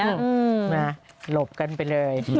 หลบกันไปเลย